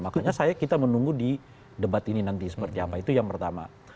makanya kita menunggu di debat ini nanti seperti apa itu yang pertama